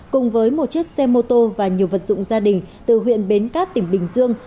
cùng với một chiếc xe mô tô và nhiều vật dụng gia đình từ huyện bến cát tỉnh bình dương